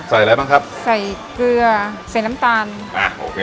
อะไรบ้างครับใส่เกลือใส่น้ำตาลอ่าโอเค